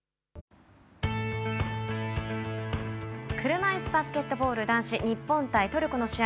車いすバスケットボール男子、日本対トルコの試合。